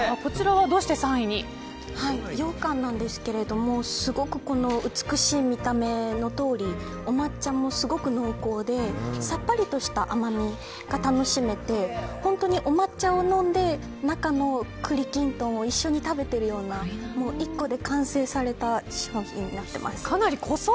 ようかんなんですけれどすごく美しい見た目のとおりお抹茶もすごく濃厚でさっぱりとした甘みが楽しめて本当にお抹茶を飲んで中の栗きんとんを一緒に食べているような１個で完成された商品になっています。